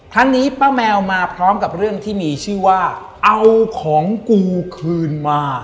ครั้งนี้ป้าแมวมาพร้อมกับเรื่องที่มีชื่อว่าเอาของกูคืนมา